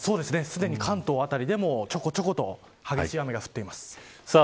すでに関東辺りでもちょこちょこと激しい雨が降っています。